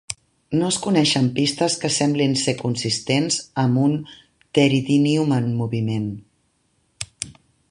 No es coneixen pistes que semblin ser consistents amb un "Pteridinium" en moviment.